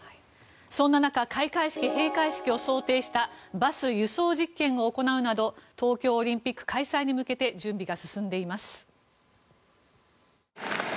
そんな中、開会式、閉会式を想定したバス輸送実験を行うなど東京オリンピック開催に向けて準備が進んでいます。